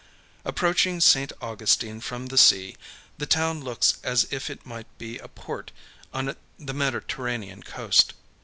Approaching St. Augustine from the sea, the town looks as if it might be a port on the Mediterranean coast.